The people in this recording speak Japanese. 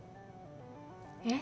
えっ？